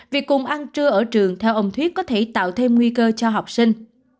việc cùng ăn trưa ở trường theo ông thuyết có thể tạo thêm nguy cơ cho học sinh